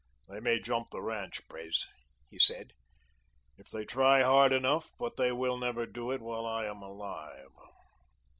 "They may jump the ranch, Pres," he said, "if they try hard enough, but they will never do it while I am alive.